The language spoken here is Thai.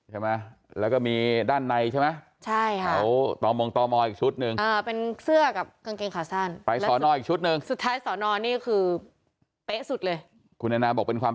ใช่ไหมแล้วก็มีด้านในใช่ไหม